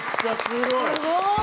すごい。